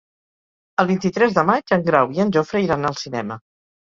El vint-i-tres de maig en Grau i en Jofre iran al cinema.